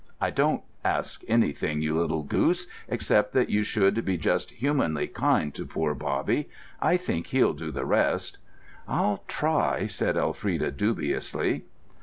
"I don't ask anything, you little goose, except that you should be just humanly kind to poor Bobby—I think he'll do the rest!" "I'll try," said Elfrida dubiously.